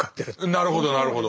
なるほどなるほど。